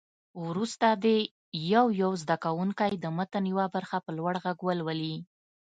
وروسته دې یو یو زده کوونکی د متن یوه برخه په لوړ غږ ولولي.